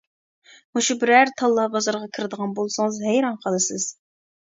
مۇشۇ بىرەر تاللا بازىرىغا كىرىدىغان بولسىڭىز ھەيران قالىسىز.